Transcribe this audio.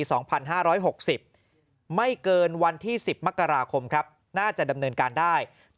ไม่เกินวันที่๑๐มกราคมครับน่าจะดำเนินการได้ตั้งเป้าไว้คือจะก่อสร้างให้แล้วเสร็จผ่านโดยกัญญายนปีหน้า